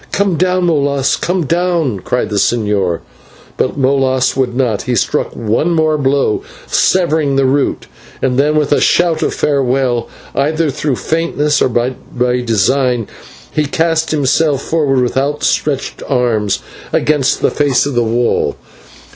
"Come down, Molas, come down!" cried the señor. But Molas would not. He struck one more blow, severing the root, then with a shout of farewell, either through faintness or by design, he cast himself forward with outstretched arms against the face of the wall.